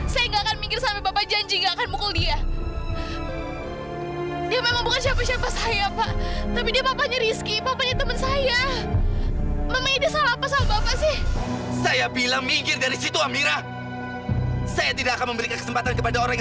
sampai jumpa di video selanjutnya